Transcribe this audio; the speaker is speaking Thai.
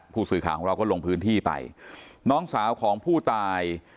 ผู้สื่อข่าวของเราก็ลงพื้นที่ไปน้องสาวของผู้ตาย